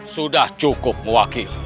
sudah cukup mewakil